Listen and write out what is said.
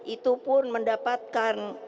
itu pun mendapatkan